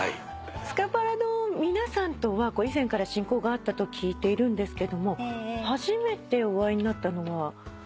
スカパラの皆さんとは以前から親交があったと聞いていますが初めてお会いになったのは？